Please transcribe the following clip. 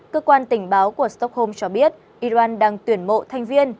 cơ quan tỉnh báo của stockholm cho biết iran đang tuyển mộ thanh viên